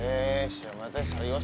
eh siapa itu serius